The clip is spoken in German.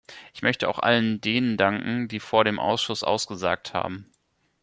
Ich möchte auch all denen danken, die vor dem Ausschuss ausgesagt haben.